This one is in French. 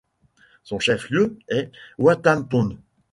Son chef-lieu est Watampone.